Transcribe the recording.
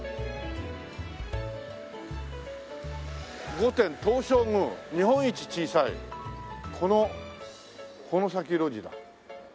「御殿東照宮日本一小さい」「この先路地」だ。